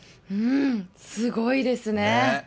うん、すごいですね。